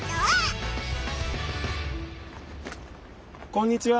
こんにちは！